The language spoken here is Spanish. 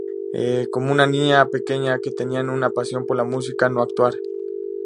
Como una niña pequeña que tenía una pasión por la música, no actuar.